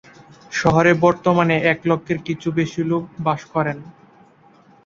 শহরে বর্তমানে এক লক্ষের কিছু বেশি লোক বাস করেন।